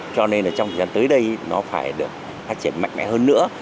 cho nên là trong thời gian tới đây nó phải được phát triển mạnh mẽ hơn nữa